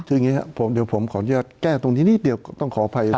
คืออย่างนี้ครับเดี๋ยวผมขออนุญาตแก้ตรงนี้นิดเดียวต้องขออภัย